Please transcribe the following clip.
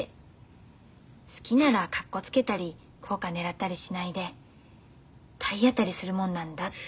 好きならかっこつけたり効果ねらったりしないで体当たりするもんなんだって。